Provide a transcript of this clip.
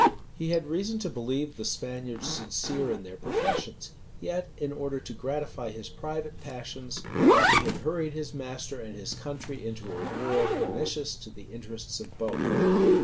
He had reason to believe the Spaniards sincere in their professions; yet, in order to gratify his private passions, he had hurried his master and his country into a war pernicious to the interests of both.